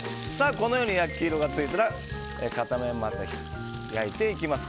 このように焼き色がついたら片面焼いていきます。